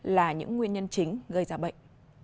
là những nguyên nhân chính gây ra bệnh